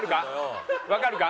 わかるか？